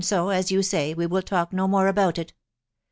so, as you say, we will talk no mere about it.